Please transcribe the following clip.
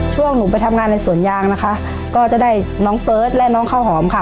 ช่วงหนูไปทำงานในสวนยางนะคะก็จะได้น้องเฟิร์สและน้องข้าวหอมค่ะ